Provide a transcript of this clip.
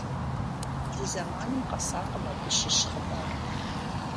Ди зэманым къэсакъым абы щыщ хъыбар.